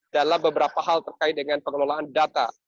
dalam beberapa hal terkait dengan pengelolaan data